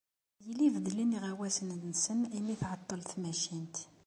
Ad yili beddlen iɣawasen-nsen imi tεeṭṭel tmacint.